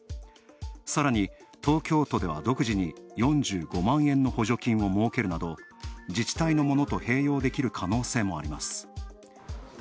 さらに、東京都では独自に４５万円の補助金をもうけるなど、自治体のものと併用できる可能性もあります。